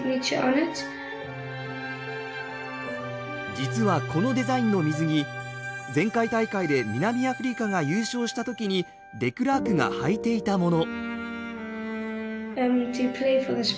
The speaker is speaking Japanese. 実は、このデザインの水着前回大会で南アフリカが優勝した時にデクラークがはいていたもの。